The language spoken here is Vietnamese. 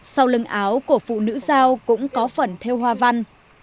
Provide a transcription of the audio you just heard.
sau lưng áo của phụ nữ giao cũng có phần theo hoa văn